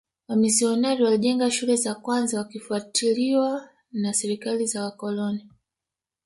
Wamisionari walijenga shule za kwanza wakifuatiliwa na serikali za wakoloni